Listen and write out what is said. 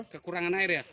kekurangan air ya